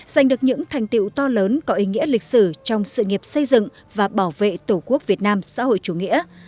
giành được những thành tiệu to lớn có ý nghĩa lịch sử trong sự nghiệp xây dựng và bảo vệ tổ quốc việt nam xã hội chủ nghĩa